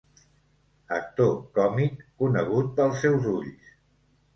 Actor còmic conegut pels seus ulls.